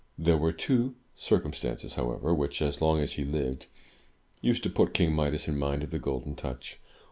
There were two circumstances, however, which as long as he lived, used to put King Midas in mind of the Golden Touch.